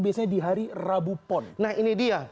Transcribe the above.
biasanya di hari rabu pon nah ini dia